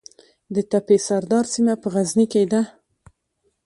د تپې سردار سیمه په غزني کې ده